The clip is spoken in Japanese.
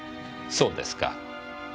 そうですか。